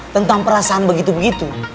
tentang perasaan begitu begitu